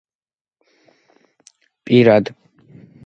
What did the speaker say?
პირად ცხოვრებაში იუსტინიანე მკაცრი ქრისტიანული კეთილმსახურებით გამოირჩეოდა.